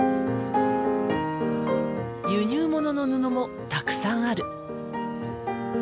輸入物の布もたくさんある。